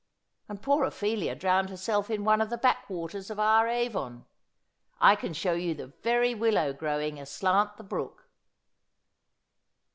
And poor Ophelia drowned herself in one of the backwaters of our Avon. I can show j'ou the very willow grow ing aslant the brook.'